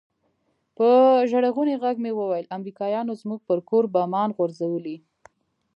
په ژړغوني ږغ مې وويل امريکايانو زموږ پر کور بمان غورځولي.